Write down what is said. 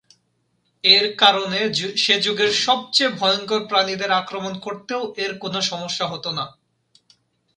এর কারণে সে যুগের সবচেয়ে ভয়ঙ্কর প্রাণীদের আক্রমণ করতেও এর কোন সমস্যা হতো না।